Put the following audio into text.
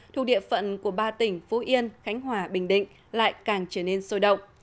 thuộc địa phận của ba tỉnh phú yên khánh hòa bình định lại càng trở nên sôi động